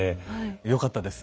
よかったです。